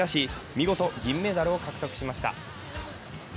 見事銀メダルを獲得しました。